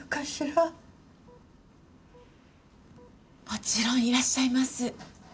もちろんいらっしゃいます。